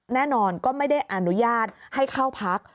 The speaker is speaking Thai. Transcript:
แน่นอนก็ไม่ได้อนุญาตให้เข้าพัก